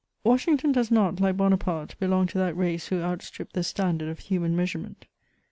Washington does not, like Bonaparte, belong to that race who outstrip the standard of human measurement.